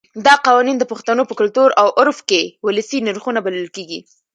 دا قوانین د پښتنو په کلتور او عرف کې ولسي نرخونه بلل کېږي.